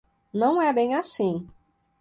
Não é bem assim.